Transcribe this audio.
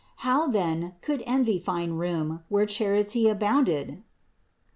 How then could envy find room, where charity abounded?